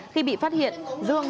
khi bị phát hiện dương